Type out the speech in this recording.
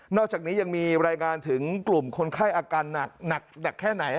อกจากนี้ยังมีรายงานถึงกลุ่มคนไข้อาการหนักแค่ไหน